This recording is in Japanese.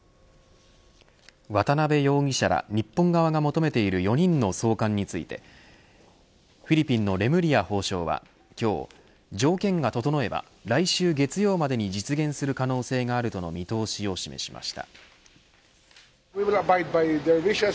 渡辺容疑者らは日本側が求めている４人の送還についてフィリピンのレムリヤ法相は今日、条件が整えば来週月曜までに実現する可能性があるとの見通しを示しました。